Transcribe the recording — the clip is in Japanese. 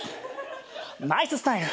ナイススタイル。